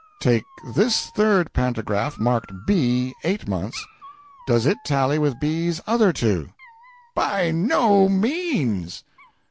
"Take this third pantograph marked B, eight months. Does it tally with B's other two?" "By no means!"